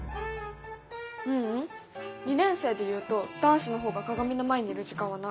ううん２年生で言うと男子の方が鏡の前にいる時間は長い。